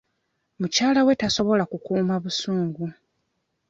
Mukyala we tasobola kukuuma busungu.